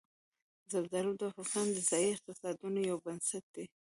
زردالو د افغانستان د ځایي اقتصادونو یو بنسټ دی.